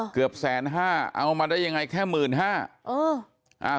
เกือบแสนห้าเอามาได้ยังไงแค่หมื่นห้า